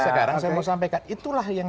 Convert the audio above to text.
sekarang saya mau sampaikan itulah yang